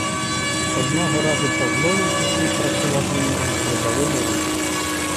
Одного разу Павлові, який працював зі мною придавило руку.